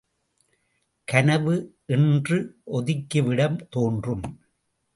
கனவு என்று ஒதுக்கிவிடத் தோன்றும்.